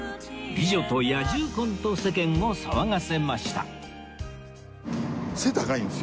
「美女と野獣婚」と世間を騒がせました